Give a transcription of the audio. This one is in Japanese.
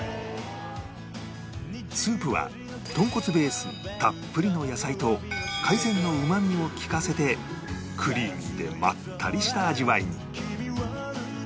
スープは豚骨ベースにたっぷりの野菜と海鮮のうまみをきかせてクリーミーでまったりした味わいに